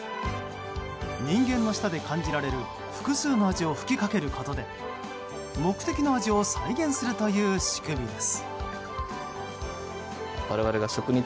人間の舌で感じられる複数の味を吹きかけることで目的の味を再現するという仕組みです。